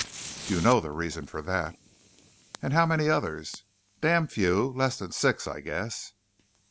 "You know the reason for that." "And how many others?" "Damned few. Less than six, I'd guess."